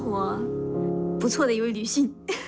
เป็นผู้หญิงที่ดี